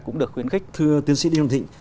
cũng được khuyến khích thưa tiến sĩ đinh thịnh